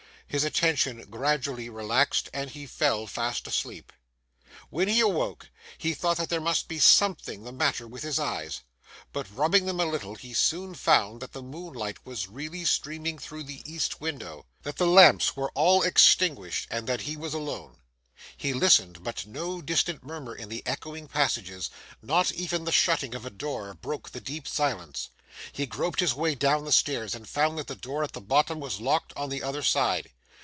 His attention gradually relaxed, and he fell fast asleep. When he awoke, he thought there must be something the matter with his eyes; but, rubbing them a little, he soon found that the moonlight was really streaming through the east window, that the lamps were all extinguished, and that he was alone. He listened, but no distant murmur in the echoing passages, not even the shutting of a door, broke the deep silence; he groped his way down the stairs, and found that the door at the bottom was locked on the other side.